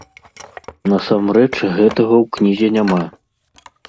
Насамрэч гэтага ў кнізе няма.